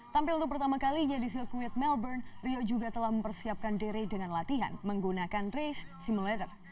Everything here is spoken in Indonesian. tampil untuk pertama kalinya di sirkuit melbourne rio juga telah mempersiapkan diri dengan latihan menggunakan race simulator